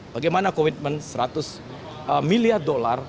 bagaimana komitmen seratus miliar dolar